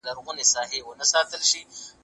زه تشناب ته لاړم خو ضرورت مې نه درلود.